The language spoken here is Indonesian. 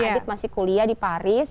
adit masih kuliah di paris